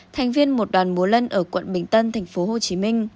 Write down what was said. thành viên một đoàn múa lân ở quận bình tân tp hcm